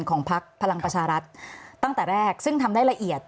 พักพลังประชารัฐตั้งแต่แรกซึ่งทำได้ละเอียด